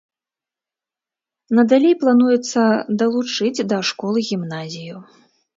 Надалей плануецца далучыць да школы гімназію.